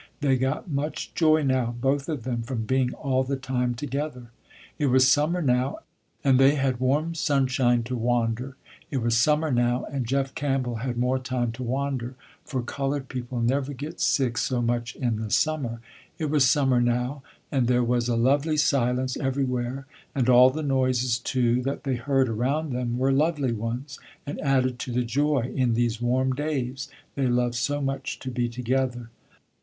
They got much joy now, both of them, from being all the time together. It was summer now, and they had warm sunshine to wander. It was summer now, and Jeff Campbell had more time to wander, for colored people never get sick so much in the summer. It was summer now, and there was a lovely silence everywhere, and all the noises, too, that they heard around them were lovely ones, and added to the joy, in these warm days, they loved so much to be together.